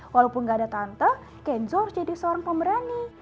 walaupun nggak ada tante kenzo harus jadi seorang pemerani